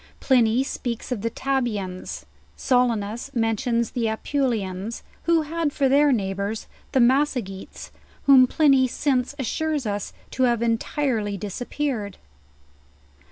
Pliny speaks of the Tabians, So LEWIS AND CLARKE. 165 linus mentions the Apuleans, who had for their neighbors the Massagetes, whom Pliny since assures us to have entire ly disappeared.